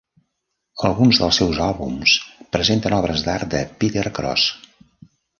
Alguns dels seus àlbums presenten obres d'art de Peter Cross.